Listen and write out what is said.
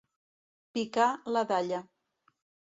Picar la dalla.